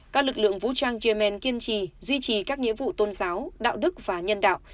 các lực lượng vũ trang yemen kiên trì duy trì các nghĩa vụ tôn giáo đạo đức và nhân đạo